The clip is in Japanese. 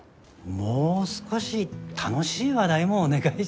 もう少し楽しい話題もお願いします。